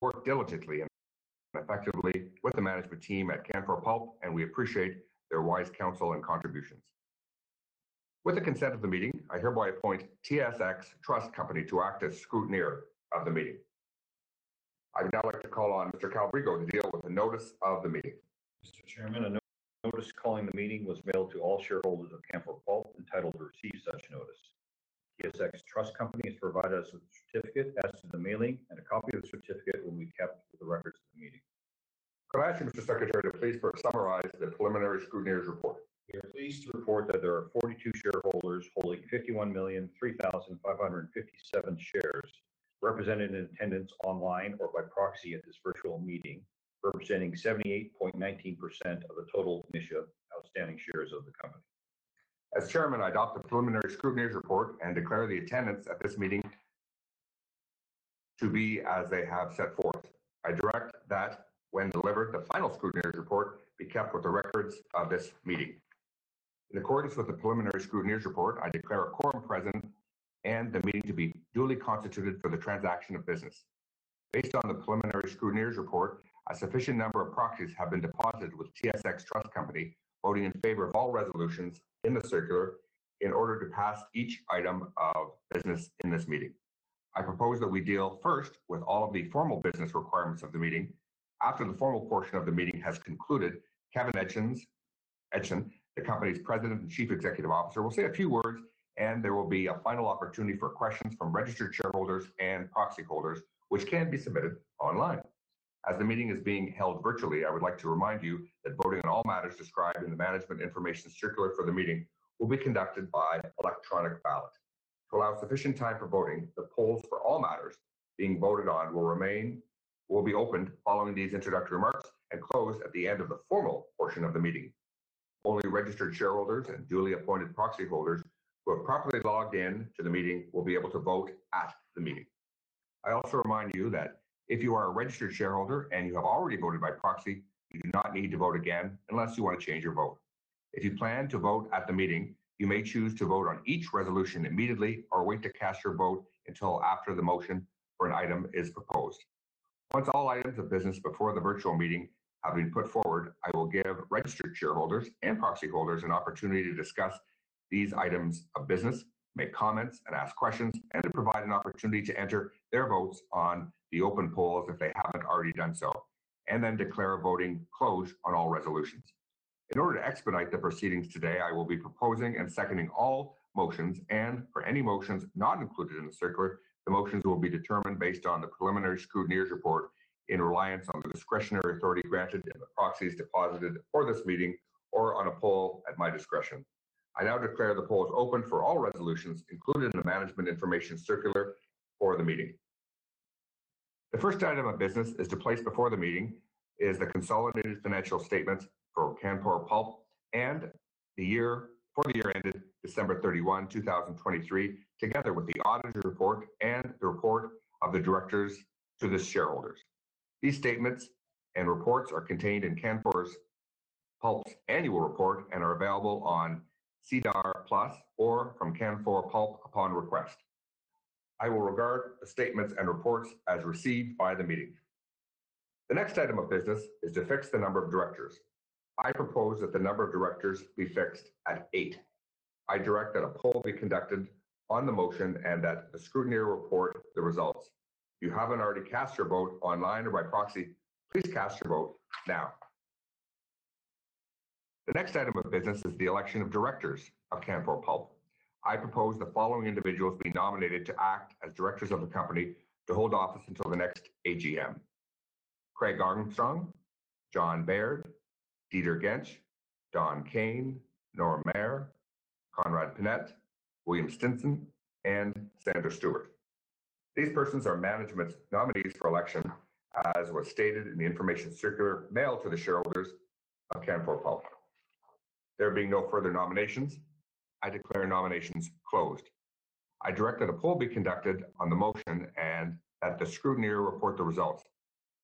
work diligently and effectively with the management team at Canfor Pulp, and we appreciate their wise counsel and contributions. With the consent of the meeting, I hereby appoint TSX Trust Company to act as scrutineer of the meeting. I'd now like to call on Mr. Calbrigo to deal with the notice of the meeting. Mr. Chairman, a notice calling the meeting was mailed to all shareholders of Canfor Pulp entitled to receive such notice. TSX Trust Company has provided us with a certificate as to the mailing, and a copy of the certificate will be kept for the records of the meeting. Could I ask you, Mr. Secretary, to please first summarize the preliminary scrutineer's report? We are pleased to report that there are 42 shareholders holding 51,003,557 shares represented in attendance online or by proxy at this virtual meeting, representing 78.19% of the total initial outstanding shares of the company. As Chairman, I adopt the preliminary scrutineer's report and declare the attendance at this meeting to be as they have set forth. I direct that when delivered, the final scrutineer's report be kept with the records of this meeting. In accordance with the preliminary scrutineer's report, I declare a quorum present and the meeting to be duly constituted for the transaction of business. Based on the preliminary scrutineer's report, a sufficient number of proxies have been deposited with TSX Trust Company, voting in favor of all resolutions in the circular in order to pass each item of business in this meeting. I propose that we deal first with all of the formal business requirements of the meeting. After the formal portion of the meeting has concluded, Kevin Edgson, the company's President and Chief Executive Officer, will say a few words, and there will be a final opportunity for questions from registered shareholders and proxy holders, which can be submitted online. As the meeting is being held virtually, I would like to remind you that voting on all matters described in the Management Information Circular for the meeting will be conducted by electronic ballot. To allow sufficient time for voting, the polls for all matters being voted on will be opened following these introductory remarks and closed at the end of the formal portion of the meeting. Only registered shareholders and duly appointed proxy holders who have properly logged in to the meeting will be able to vote at the meeting. I also remind you that if you are a registered shareholder and you have already voted by proxy, you do not need to vote again unless you want to change your vote. If you plan to vote at the meeting, you may choose to vote on each resolution immediately or wait to cast your vote until after the motion for an item is proposed. Once all items of business before the virtual meeting have been put forward, I will give registered shareholders and proxy holders an opportunity to discuss these items of business, make comments, and ask questions, and to provide an opportunity to enter their votes on the open polls if they haven't already done so, and then declare a voting close on all resolutions. In order to expedite the proceedings today, I will be proposing and seconding all motions, and for any motions not included in the circular, the motions will be determined based on the preliminary scrutineer's report in reliance on the discretionary authority granted in the proxies deposited for this meeting or on a poll at my discretion. I now declare the polls open for all resolutions included in the management information circular for the meeting. The first item of business is to place before the meeting is the consolidated financial statements for Canfor Pulp for the year ended December 31, 2023, together with the auditor's report and the report of the directors to the shareholders. These statements and reports are contained in Canfor Pulp's annual report and are available on SEDAR+ or from Canfor Pulp upon request. I will regard the statements and reports as received by the meeting. The next item of business is to fix the number of directors. I propose that the number of directors be fixed at eight. I direct that a poll be conducted on the motion and that the scrutineer report the results. If you haven't already cast your vote online or by proxy, please cast your vote now. The next item of business is the election of directors of Canfor Pulp. I propose the following individuals be nominated to act as directors of the company to hold office until the next AGM: Craig Armstrong, John Baird, Dieter Jentsch, Don Kayne, Norm Mayr, Conrad Pinette, William Stinson, and Sandra Stuart. These persons are management's nominees for election, as was stated in the information circular mailed to the shareholders of Canfor Pulp. There being no further nominations, I declare nominations closed. I direct that a poll be conducted on the motion and that the scrutineer report the results.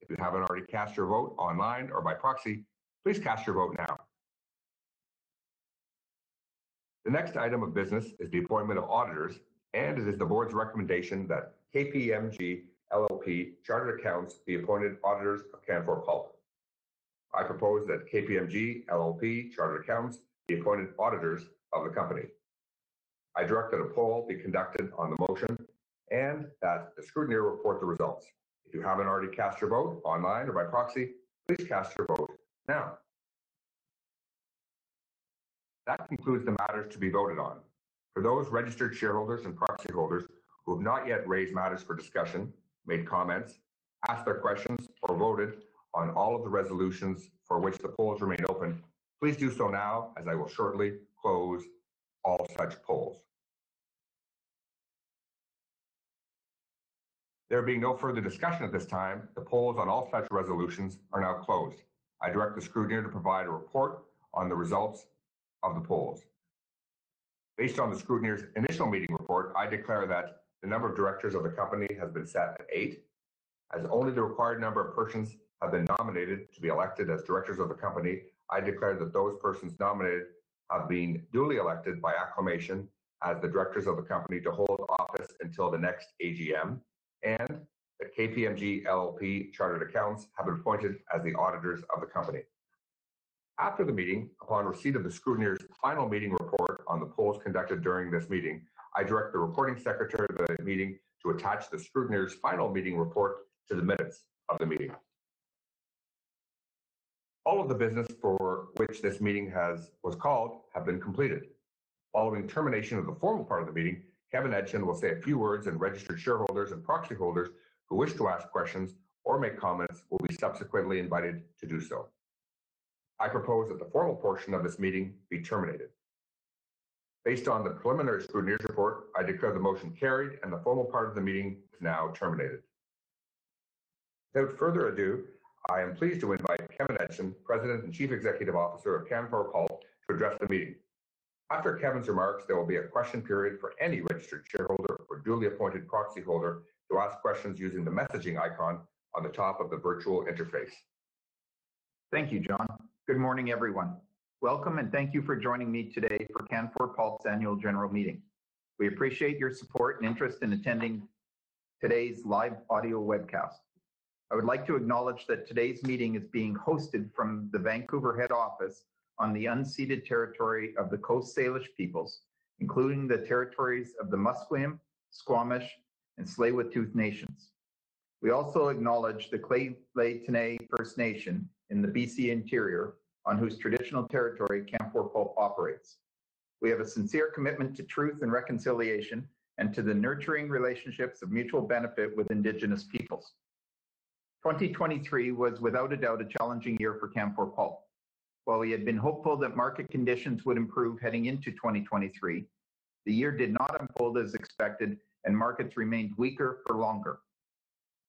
If you haven't already cast your vote online or by proxy, please cast your vote now. The next item of business is the appointment of auditors, and it is the board's recommendation that KPMG LLP Chartered Accountants be appointed auditors of Canfor Pulp. I propose that KPMG LLP Chartered Accountants be appointed auditors of the company. I direct that a poll be conducted on the motion and that the scrutineer report the results. If you haven't already cast your vote online or by proxy, please cast your vote now. That concludes the matters to be voted on. For those registered shareholders and proxy holders who have not yet raised matters for discussion, made comments, asked their questions, or voted on all of the resolutions for which the polls remain open, please do so now, as I will shortly close all such polls. There being no further discussion at this time, the polls on all such resolutions are now closed. I direct the scrutineer to provide a report on the results of the polls. Based on the scrutineer's initial meeting report, I declare that the number of directors of the company has been set at eight, as only the required number of persons have been nominated to be elected as directors of the company. I declare that those persons nominated have been duly elected by acclamation as the directors of the company to hold office until the next AGM, and that KPMG LLP Chartered Accountants have been appointed as the auditors of the company. After the meeting, upon receipt of the scrutineer's final meeting report on the polls conducted during this meeting, I direct the recording secretary of the meeting to attach the scrutineer's final meeting report to the minutes of the meeting. All of the business for which this meeting was called have been completed. Following termination of the formal part of the meeting, Kevin Edgson will say a few words, and registered shareholders and proxy holders who wish to ask questions or make comments will be subsequently invited to do so. I propose that the formal portion of this meeting be terminated. Based on the preliminary scrutineer's report, I declare the motion carried, and the formal part of the meeting is now terminated. Without further ado, I am pleased to invite Kevin Edgson, President and Chief Executive Officer of Canfor Pulp, to address the meeting. After Kevin's remarks, there will be a question period for any registered shareholder or duly appointed proxy holder to ask questions using the messaging icon on the top of the virtual interface. Thank you, John. Good morning, everyone. Welcome, and thank you for joining me today for Canfor Pulp's Annual General Meeting. We appreciate your support and interest in attending today's live audio webcast. I would like to acknowledge that today's meeting is being hosted from the Vancouver head office on the unceded territory of the Coast Salish peoples, including the territories of the Musqueam, Squamish, and Tsleil-Waututh nations. We also acknowledge the Lheidli T'enneh First Nation in the BC Interior, on whose traditional territory Canfor Pulp operates. We have a sincere commitment to truth and reconciliation and to the nurturing relationships of mutual benefit with Indigenous peoples. 2023 was without a doubt a challenging year for Canfor Pulp. While we had been hopeful that market conditions would improve heading into 2023, the year did not unfold as expected, and markets remained weaker for longer.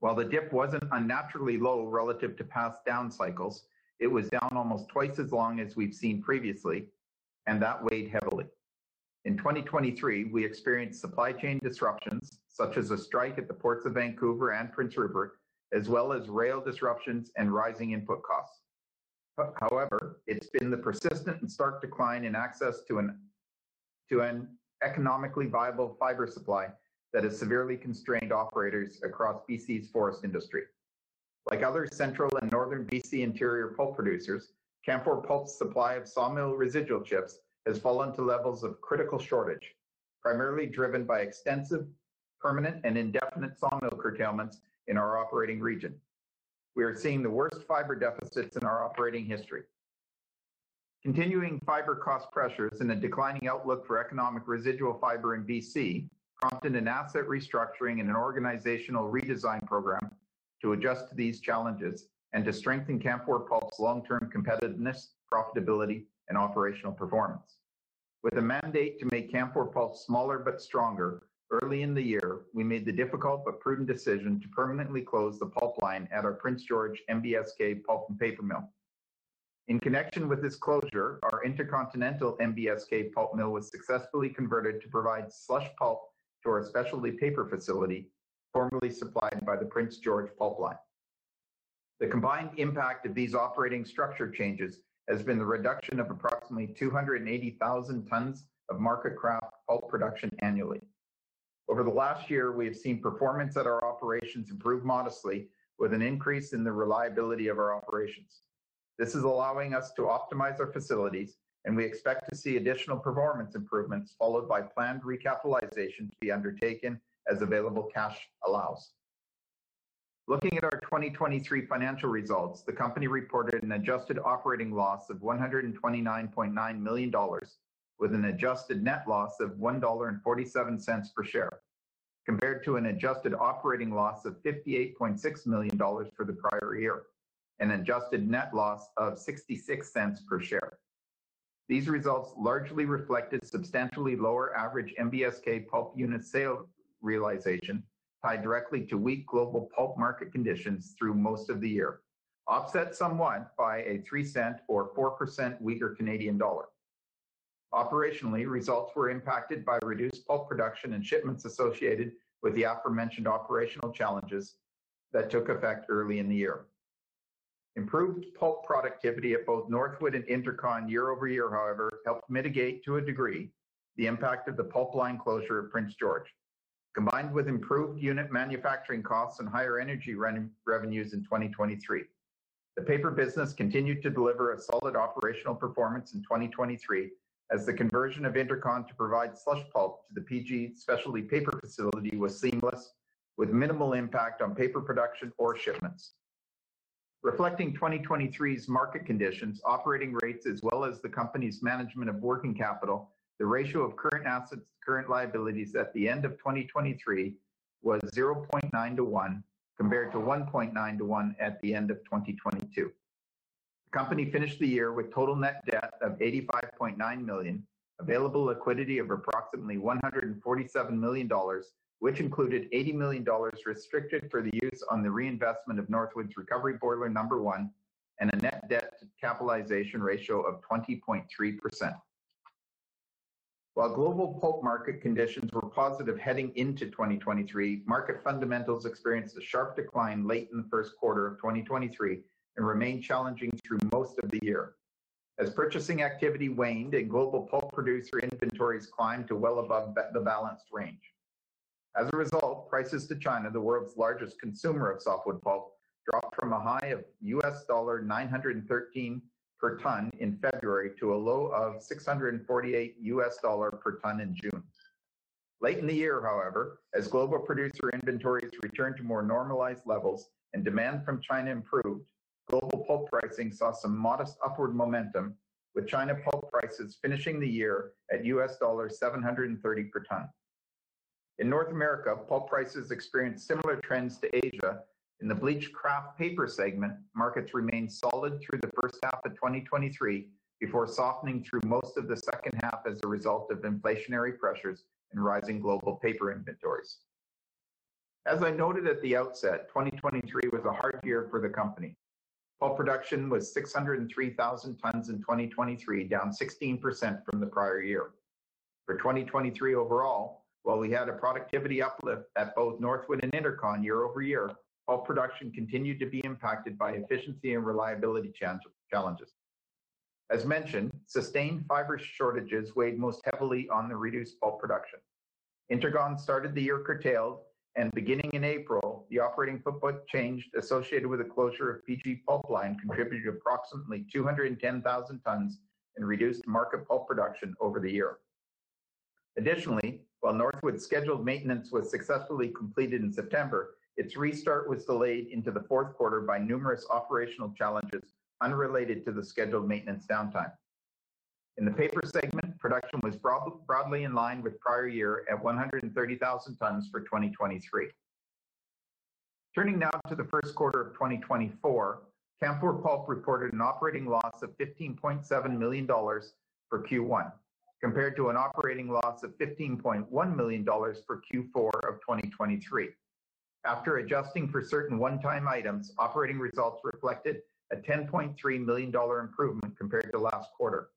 While the dip wasn't unnaturally low relative to past down cycles, it was down almost twice as long as we've seen previously, and that weighed heavily. In 2023, we experienced supply chain disruptions, such as a strike at the ports of Vancouver and Prince Rupert, as well as rail disruptions and rising input costs. But however, it's been the persistent and stark decline in access to an economically viable fiber supply that has severely constrained operators across BC's forest industry. Like other central and northern BC Interior pulp producers, Canfor Pulp's supply of sawmill residual chips has fallen to levels of critical shortage, primarily driven by extensive, permanent, and indefinite sawmill curtailments in our operating region. We are seeing the worst fiber deficits in our operating history. Continuing fiber cost pressures and a declining outlook for economic residual fiber in BC prompted an asset restructuring and an organizational redesign program to adjust to these challenges and to strengthen Canfor Pulp's long-term competitiveness, profitability, and operational performance. With a mandate to make Canfor Pulp smaller but stronger, early in the year, we made the difficult but prudent decision to permanently close the pulp line at our Prince George MBSK pulp and paper mill. In connection with this closure, our Intercontinental MBSK pulp mill was successfully converted to provide slush pulp to our specialty paper facility, formerly supplied by the Prince George pulp line. The combined impact of these operating structure changes has been the reduction of approximately 280,000 tons of market kraft pulp production annually. Over the last year, we have seen performance at our operations improve modestly, with an increase in the reliability of our operations. This is allowing us to optimize our facilities, and we expect to see additional performance improvements, followed by planned recapitalization to be undertaken as available cash allows. Looking at our 2023 financial results, the company reported an adjusted operating loss of 129.9 million dollars, with an adjusted net loss of 1.47 dollar per share, compared to an adjusted operating loss of 58.6 million dollars for the prior year and an adjusted net loss of 0.66 per share. These results largely reflected substantially lower average MBSK pulp unit sale realization, tied directly to weak global pulp market conditions through most of the year, offset somewhat by a 3-cent or 4% weaker Canadian dollar. Operationally, results were impacted by reduced pulp production and shipments associated with the aforementioned operational challenges that took effect early in the year. Improved pulp productivity at both Northwood and Intercon year over year, however, helped mitigate, to a degree, the impact of the pulp line closure at Prince George, combined with improved unit manufacturing costs and higher energy revenues in 2023. The paper business continued to deliver a solid operational performance in 2023 as the conversion of Intercon to provide slush pulp to the PG specialty paper facility was seamless, with minimal impact on paper production or shipments. Reflecting 2023's market conditions, operating rates, as well as the company's management of working capital, the ratio of current assets to current liabilities at the end of 2023 was 0.9 to 1, compared to 1.9 to 1 at the end of 2022. The company finished the year with total net debt of $85.9 million, available liquidity of approximately $147 million, which included $80 million restricted for the use on the reinvestment of Northwood's Recovery Boiler number one, and a net debt to capitalization ratio of 20.3%. While global pulp market conditions were positive heading into 2023, market fundamentals experienced a sharp decline late in the Q1 of 2023 and remained challenging through most of the year. As purchasing activity waned and global pulp producer inventories climbed to well above the balanced range. As a result, prices to China, the world's largest consumer of softwood pulp, dropped from a high of $913 per ton in February to a low of $648 per ton in June. Late in the year, however, as global producer inventories returned to more normalized levels and demand from China improved, global pulp pricing saw some modest upward momentum, with China pulp prices finishing the year at $730 per ton. In North America, pulp prices experienced similar trends to Asia. In the bleached kraft paper segment, markets remained solid through the first half of 2023, before softening through most of the second half as a result of inflationary pressures and rising global paper inventories. As I noted at the outset, 2023 was a hard year for the company. Pulp production was 603,000 tons in 2023, down 16% from the prior year. For 2023 overall, while we had a productivity uplift at both Northwood and Intercon year over year, pulp production continued to be impacted by efficiency and reliability challenges. As mentioned, sustained fiber shortages weighed most heavily on the reduced pulp production. Intercon started the year curtailed, and beginning in April, the operating footprint changed associated with the closure of PG pulp line contributed approximately 210,000 tons in reduced market pulp production over the year. Additionally, while Northwood's scheduled maintenance was successfully completed in September, its restart was delayed into the Q4 by numerous operational challenges unrelated to the scheduled maintenance downtime. In the paper segment, production was broadly in line with prior year at 130,000 tons for 2023. Turning now to the Q1 of 2024, Canfor Pulp reported an operating loss of 15.7 million dollars for Q1, compared to an operating loss of 15.1 million dollars for Q4 of 2023. After adjusting for certain one-time items, operating results reflected a 10.3 million dollar improvement compared to last quarter.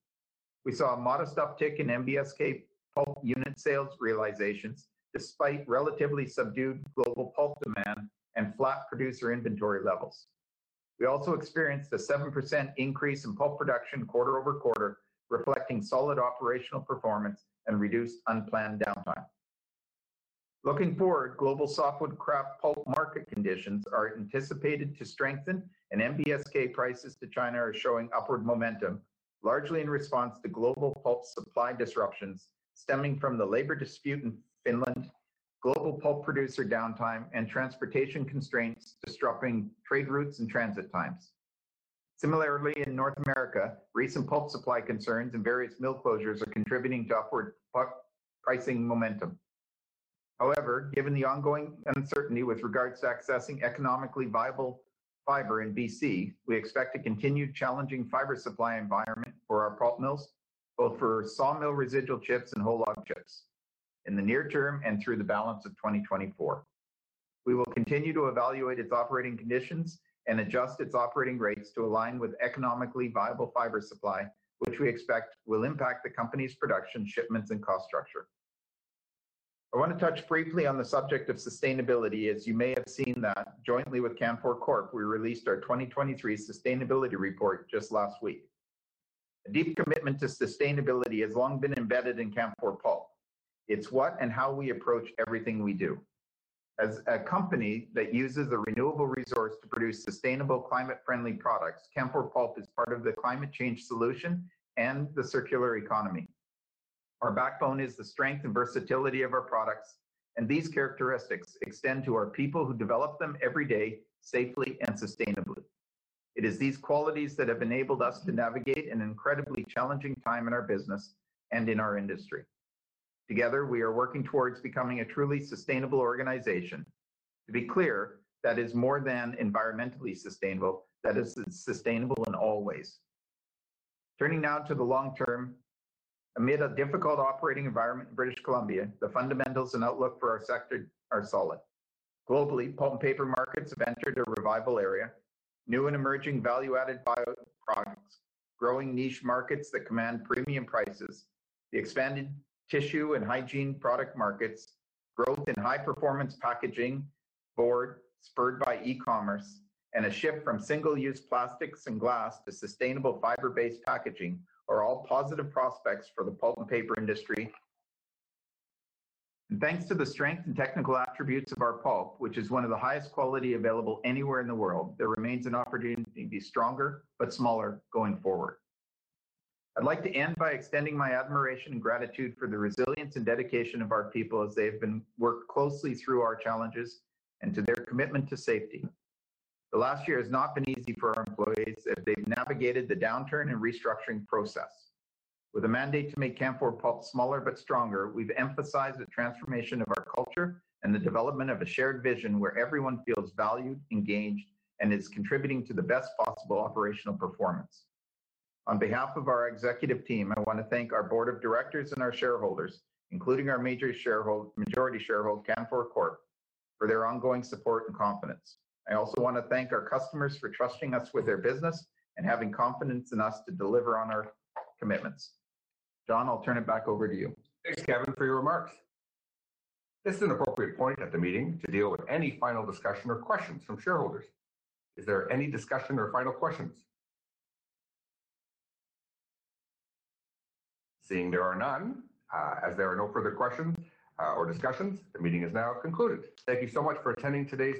We saw a modest uptick in MBSK pulp unit sales realizations, despite relatively subdued global pulp demand and flat producer inventory levels. We also experienced a 7% increase in pulp production quarter-over-quarter, reflecting solid operational performance and reduced unplanned downtime. Looking forward, global softwood kraft pulp market conditions are anticipated to strengthen, and MBSK prices to China are showing upward momentum, largely in response to global pulp supply disruptions stemming from the labor dispute in Finland, global pulp producer downtime, and transportation constraints disrupting trade routes and transit times. Similarly, in North America, recent pulp supply concerns and various mill closures are contributing to upward pulp pricing momentum. However, given the ongoing uncertainty with regards to accessing economically viable fiber in BC, we expect a continued challenging fiber supply environment for our pulp mills, both for sawmill residual chips and whole log chips in the near term and through the balance of 2024. We will continue to evaluate its operating conditions and adjust its operating rates to align with economically viable fiber supply, which we expect will impact the company's production, shipments, and cost structure. I want to touch briefly on the subject of sustainability. As you may have seen, that jointly with Canfor Corp, we released our 2023 sustainability report just last week. A deep commitment to sustainability has long been embedded in Canfor Pulp. It's what and how we approach everything we do. As a company that uses a renewable resource to produce sustainable, climate-friendly products, Canfor Pulp is part of the climate change solution and the circular economy. Our backbone is the strength and versatility of our products, and these characteristics extend to our people who develop them every day, safely and sustainably. It is these qualities that have enabled us to navigate an incredibly challenging time in our business and in our industry. Together, we are working towards becoming a truly sustainable organization. To be clear, that is more than environmentally sustainable, that is sustainable in all ways. Turning now to the long term, amid a difficult operating environment in British Columbia, the fundamentals and outlook for our sector are solid. Globally, pulp and paper markets have entered a revival area. New and emerging value-added bioproducts, growing niche markets that command premium prices, the expanding tissue and hygiene product markets, growth in high-performance packaging board spurred by e-commerce, and a shift from single-use plastics and glass to sustainable fiber-based packaging are all positive prospects for the pulp and paper industry. And thanks to the strength and technical attributes of our pulp, which is one of the highest quality available anywhere in the world, there remains an opportunity to be stronger but smaller going forward. I'd like to end by extending my admiration and gratitude for the resilience and dedication of our people as they've worked closely through our challenges and to their commitment to safety. The last year has not been easy for our employees as they've navigated the downturn and restructuring process. With a mandate to make Canfor Pulp smaller but stronger, we've emphasized the transformation of our culture and the development of a shared vision where everyone feels valued, engaged, and is contributing to the best possible operational performance. On behalf of our executive team, I want to thank our board of directors and our shareholders, including our major shareholder, majority shareholder, Canfor Corp, for their ongoing support and confidence. I also want to thank our customers for trusting us with their business and having confidence in us to deliver on our commitments. John, I'll turn it back over to you. Thanks, Kevin, for your remarks. This is an appropriate point at the meeting to deal with any final discussion or questions from shareholders. Is there any discussion or final questions? Seeing there are none, as there are no further questions, or discussions, the meeting is now concluded. Thank you so much for attending today's-